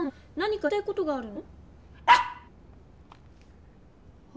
ワン何か言いたいことがあるの？